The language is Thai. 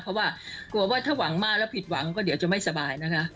เพราะว่ากลัวว่าถ้าหวังมากแล้วผิดหวังก็เดี๋ยวจะไม่สบายนะคะ